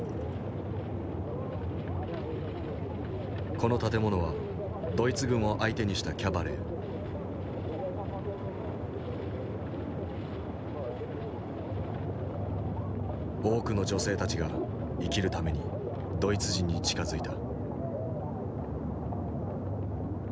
この建物はドイツ軍を相手にした多くの女性たちが生きるためにドイツ人に近づいた。